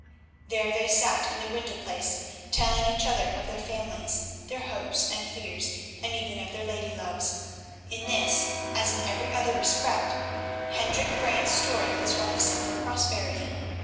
There they sat in the window place telling each other of their families, their hopes and fears, and even of their lady loves. In this, as in every other respect, Hendrik Brant's story was one of simple prosperity.